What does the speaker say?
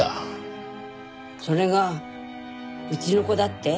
それがうちの子だって？